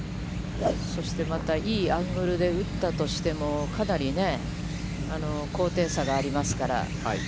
そしてまた、いいアングルで打ったとしても、かなり、高低差がありますから。